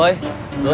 cain sill duka